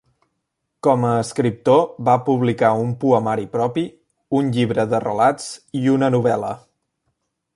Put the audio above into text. Com a escriptor va publicar un poemari propi, un llibre de relats i una novel·la.